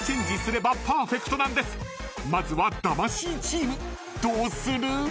［まずは魂チームどうする？］